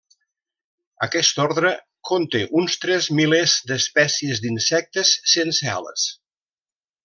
Aquest ordre conté uns tres milers d'espècies d'insectes sense ales.